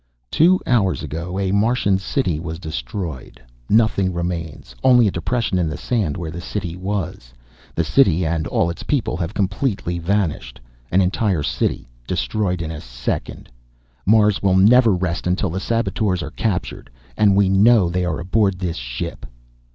"Two hours ago a Martian city was destroyed. Nothing remains, only a depression in the sand where the city was. The city and all its people have completely vanished. An entire city destroyed in a second! Mars will never rest until the saboteurs are captured. And we know they are aboard this ship."